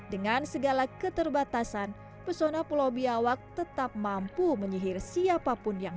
dengan segala keterbatasan pesona pulau biawak tetap mampu menyihir siapapun yang